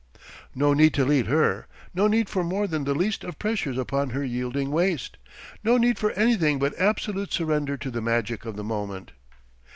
No need to lead her, no need for more than the least of pressures upon her yielding waist, no need for anything but absolute surrender to the magic of the moment....